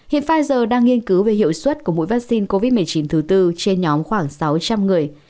hiện pfizer đang nghiên cứu về hiệu suất của mũi vaccine covid một mươi chín thứ tư trên nhóm khoảng sáu trăm linh người